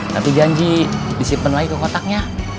nanti janji disimpen lagi ke kotaknya